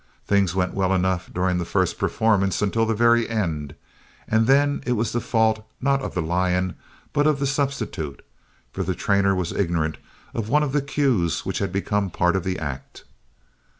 Things went well enough during the first performance until the very end, and then it was the fault not of the lion but of the substitute, for the trainer was ignorant of one of the cues which had become a part of the act.